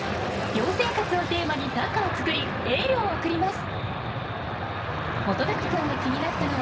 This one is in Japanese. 「寮生活」をテーマに短歌を作りエールを送ります。